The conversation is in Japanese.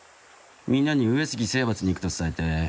みんなに上杉征伐に行くと伝えて。